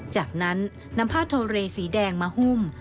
จากนั้นนำผ้าโทเรสีแดงมาหุ้ม